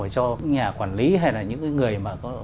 cho nhà quản lý hay là những người